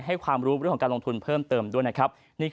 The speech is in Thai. ความรู้เรื่องของการลงทุนเพิ่มเติมด้วยนะครับ